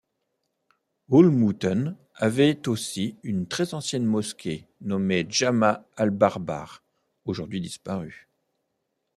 Oulmouten avait aussi une très ancienne mosquée nommée Djama albarbar, aujourd'hui disparue.